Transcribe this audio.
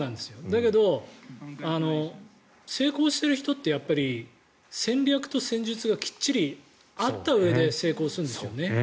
だけど、成功している人って戦略と戦術がきっちりあったうえで成功するんですね。